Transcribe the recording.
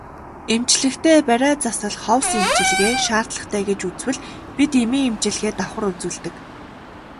Эмчлэхдээ бариа засал ховс эмчилгээ шаардлагатай гэж үзвэл бид эмийн эмчилгээ давхар үзүүлдэг.